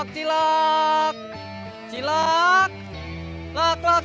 cilak cilak cilak